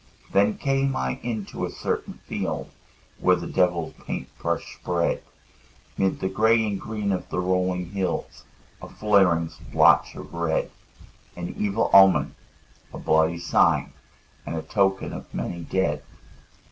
Then came I into a certain field Where the devil's paint brush spread 'Mid the gray and green of the rolling hills A flaring splotch of red, An evil omen, a bloody sign, And a token of many dead.